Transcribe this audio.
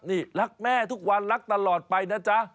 นี่รักแม่ทุกวันรักตลอดไปนะจ๊ะ